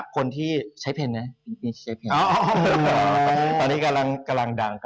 คนที่ใช้เพลนนะตอนนี้กำลังดัง